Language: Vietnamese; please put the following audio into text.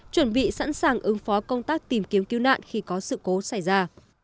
chuẩn bị sẵn sàng ứng phó công tác tìm kiếm cứu nạn khi có sự cố xảy ra